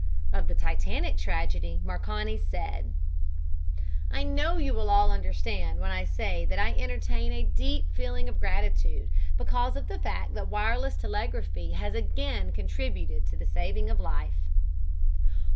Of the Titanic tragedy, Marconi said: "I know you will all understand when I say that I entertain a deep feeling of gratitude because of the fact that wireless telegraphy has again contributed to the saving of life."